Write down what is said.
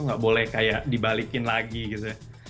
nggak boleh kayak dibalikin lagi gitu